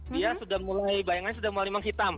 dia sudah mulai bayangannya sudah mulai menghitam